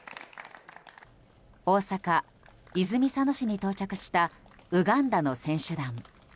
大阪・泉佐野市に到着したウガンダの選手団。